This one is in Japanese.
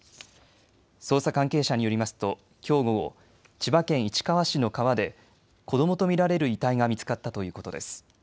捜査関係者によりますときょう午後、千葉県市川市の川で子どもと見られる遺体が見つかったということです。